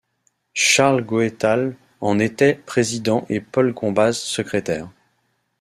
Charles Goethals en était président et Paul Combaz secrétaire.